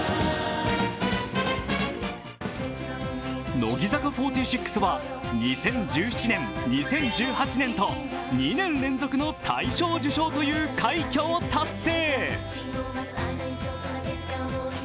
乃木坂４６は、２０１７年、２０１８年と２年連続の大賞受賞という快挙を達成。